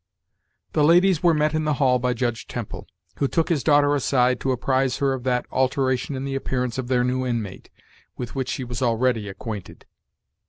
The ladies were met in the hall by Judge Temple, who took his daughter aside to apprise her of that alteration in the appearance of their new inmate, with which she was already acquainted.